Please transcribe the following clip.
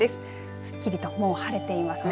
すっきりともう晴れていますね。